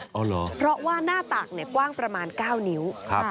อ๋อเหรอเพราะว่าหน้าตากเนี่ยกว้างประมาณเก้านิ้วครับ